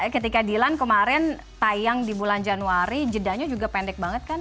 ketika dilan kemarin tayang di bulan januari jedanya juga pendek banget kan